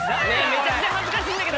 めちゃくちゃ恥ずかしいんだけど。